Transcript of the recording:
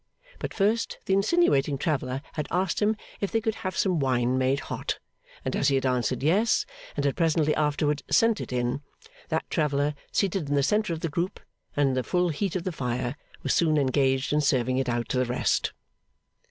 But first the insinuating traveller had asked him if they could have some wine made hot; and as he had answered Yes, and had presently afterwards sent it in, that traveller, seated in the centre of the group, and in the full heat of the fire, was soon engaged in serving it out to the rest.